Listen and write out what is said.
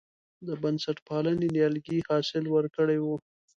د بنسټپالنې نیالګي حاصل ورکړی و.